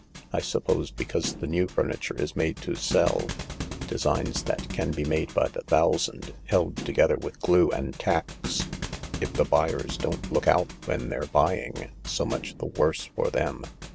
" I suppose because the new furniture is made to sell. Designs that can be made by the thousand, held together 157 158 THE LARK with glue and tacks. If the buyers don't look out when they're buying, so much the worse for them.